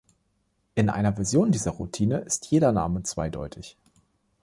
In einer Version dieser Routine ist jeder Name zweideutig.